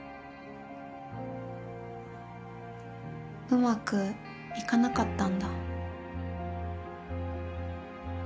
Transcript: うまくいかなかったんだ？